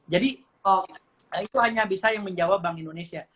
jadi itu hanya bisa yang menjawab bank indonesia